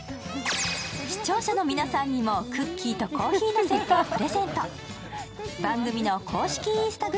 視聴者の皆さんにもクッキーとコーヒーのセットをプレゼント。